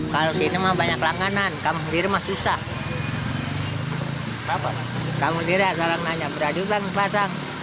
kamu tidak selalu nanya berapa duit bang pasang